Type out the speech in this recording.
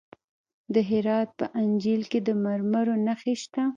د هرات په انجیل کې د مرمرو نښې شته.